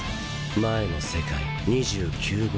前の世界２９号